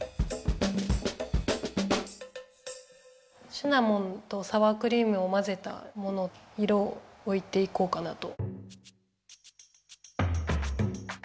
シナモンとサワークリームをまぜたもの色をおいていこうかなと。